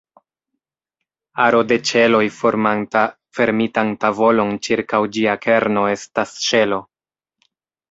Aro de ĉeloj formanta fermitan tavolon ĉirkaŭ ĝia kerno estas ŝelo.